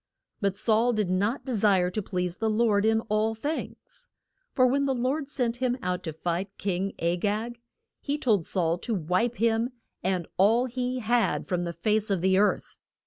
But Saul did not de sire to please the Lord in all things. For when the Lord sent him out to fight King A gag, he told Saul to wipe him and all he had from the face of the earth.